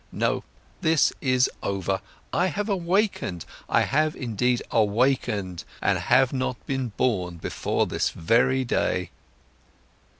No, this is over, I have awakened, I have indeed awakened and have not been born before this very day."